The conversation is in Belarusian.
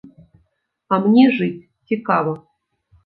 А мне жыць цікава.